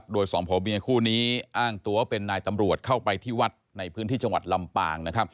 โดยสองผัวเมียคู่นี้อ้างตัวเป็นนายตำรวจเข้าไปที่วัดในพื้นที่จังหวัดลำปาง